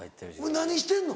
何してんの？